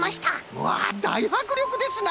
うわだいはくりょくですな！